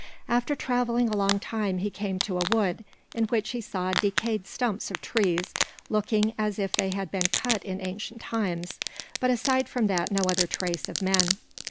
After traveling a long time he came to a wood, in which he saw decayed stumps of trees looking as if they had been cut in ancient times, but aside from that no other trace of men.